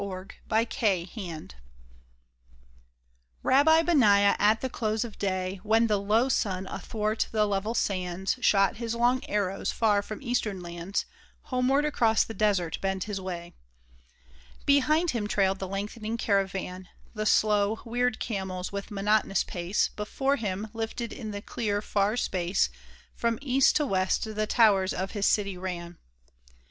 RABBI BENAIAH Rabbi Benaiah at the close of day, When the low sun athwart the level sands Shot his long arrows, from far Eastern lands Homeward across the desert bent his way. Behind him trailed the lengthening caravan — The slow, weird camels, with monotonous pace ; Before him, lifted in the clear, far space. From east to west the towers of his city ran